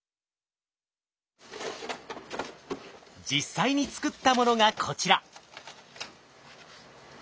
実際に作ったものがこちら！